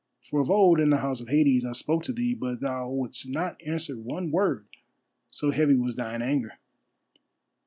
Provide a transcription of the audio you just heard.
For of old in the House of Hades I spoke to thee, but thou wouldst not answer one word, so heavy was thine anger."